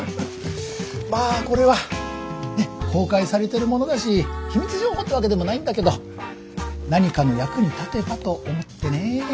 まあこれはねえ公開されてるものだし秘密情報ってわけでもないんだけど何かの役に立てばと思ってね。